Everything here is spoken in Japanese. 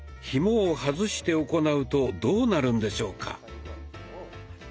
ひもを外して行うとどうなるんでしょうか？